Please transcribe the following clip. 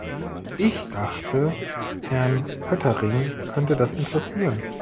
Ich dachte, Herrn Poettering könnte das interessieren.